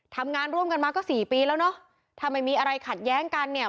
ทำงานร่วมกันมาก็สี่ปีแล้วเนอะถ้าไม่มีอะไรขัดแย้งกันเนี่ย